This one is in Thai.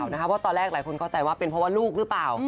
เพราะตอนแรกหลายคนเข้าใจว่าเป็นเพราะว่าลูกหรือเปล่า